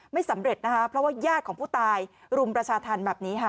ไม่สำเร็จนะคะเพราะว่าญาติของผู้ตายรุมประชาธรรมแบบนี้ค่ะ